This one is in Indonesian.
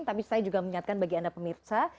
tapi saya juga mengingatkan bagi anda pemirsa